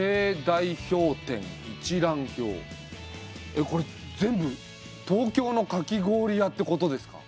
えっこれ全部東京のかき氷屋ってことですか？